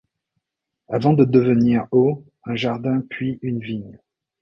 Avant de devenir aux un jardin puis une vigne.